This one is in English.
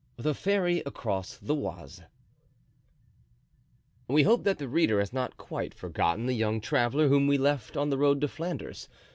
The Ferry across the Oise. We hope that the reader has not quite forgotten the young traveler whom we left on the road to Flanders.